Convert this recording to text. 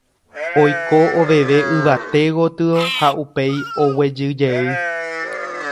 oiko oveve yvate gotyo ha upéi oguejyjey